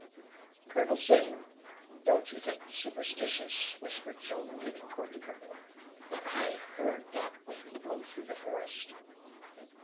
"Colonel Zane, don't you think me superstitious," whispered Joe, leaning toward the colonel, "but I heard that wind blow through the forest."